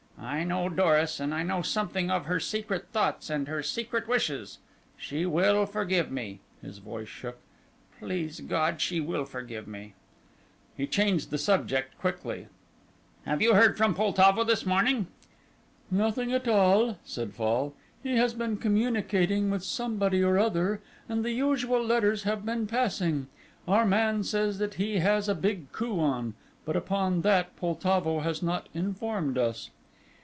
I know Doris, and I know something of her secret thoughts and her secret wishes. She will forget me," his voice shook, "please God she will forget me." He changed the subject quickly. "Have you heard from Poltavo this morning?" "Nothing at all," said Fall; "he has been communicating with somebody or other, and the usual letters have been passing. Our man says that he has a big coup on, but upon that Poltavo has not informed us."